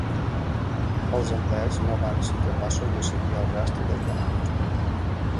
Els empleats no van ser capaços de seguir el rastre del donant.